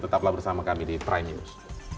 tetaplah bersama kami di prime news